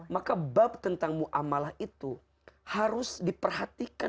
maka bab tentang mu'amalah itu harus diperhatikan